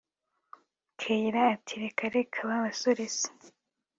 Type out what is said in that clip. kellia ati reka reka babasore se